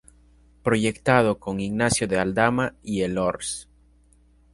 Proyectado con Ignacio de Aldama y Elorz.